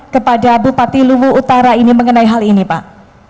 kepada bupati luwu utara ini mengenai hal ini pak